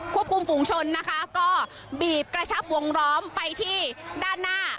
ควบคุมฝุงชนนะคะก็บีบกระชับวงล้อมไปที่ด้านหน้า